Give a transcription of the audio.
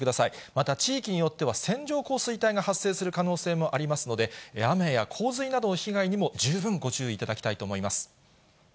また地域によっては線状降水帯が発生する可能性もありますので、雨や洪水などの被害にも十分ご注意いただきたいと思います。